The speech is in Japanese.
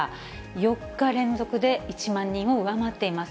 ４日連続で１万人を上回っています。